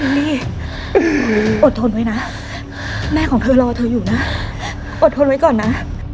นี่อดทนไว้นะแม่ของเธอรอเธออยู่นะอดทนไว้ก่อนนะ